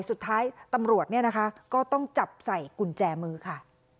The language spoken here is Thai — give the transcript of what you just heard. สุดท้ายตำรวจเนี่ยนะคะก็ต้องจับใส่กุญแจมือค่ะ